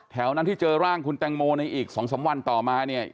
แถวนั้นที่เจอร่างคุณแตงโมในอีก๒๓วันต่อมาเนี่ย